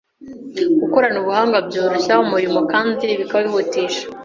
Gukorana ubuhanga byoroshya umurimo kandi bikawihutisha